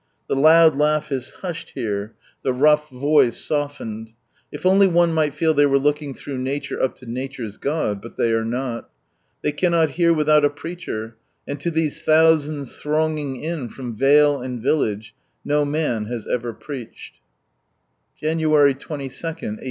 The loud laugh is hushed here, the rough voice softened. If only one might feel they were look ing "through Nature up to Nature's God," but they are not. They cannot hear without a preacher, and to these thousands thronging in from vale and village, no man has ever preached. January as, 1894.